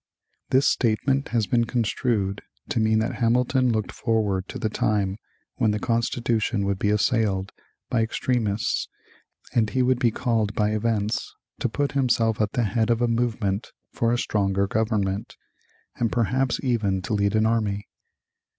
This statement has been construed to mean that Hamilton looked forward to the time when the Constitution would be assailed by extremists and he would be called by events to put himself at the head of a movement for a stronger government, and perhaps even to lead an army.